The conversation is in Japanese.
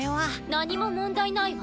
何も問題ないわ。